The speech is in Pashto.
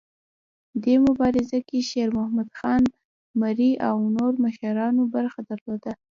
دې مبارزه کې شیرمحمد خان مري او نورو مشرانو برخه درلوده.